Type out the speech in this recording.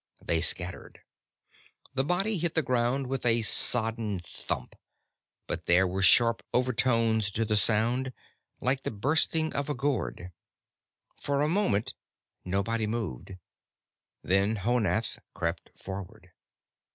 They scattered. The body hit the ground with a sodden thump, but there were sharp overtones to the sound, like the bursting of a gourd. For a moment nobody moved. Then Honath crept forward.